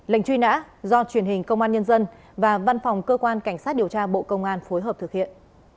lệnh truy nã do truyền hình công an nhân dân và văn phòng cơ quan cảnh sát điều tra bộ công an phối hợp thực hiện